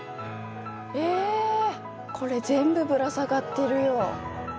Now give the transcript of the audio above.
えこれ全部ぶら下がってるよ。